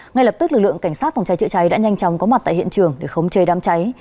ngay lập tức lực lượng cảnh sát phòng cháy chữa cháy đã nhanh chóng có mặt tại hiện trường để khống chê đám cháy